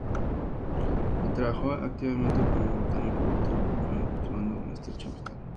Y trabajó activamente con el botánico Luther Burbank cultivando una estrecha amistad.